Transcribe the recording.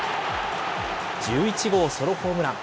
１１号ソロホームラン。